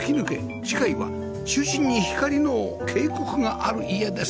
次回は中心に光の渓谷がある家です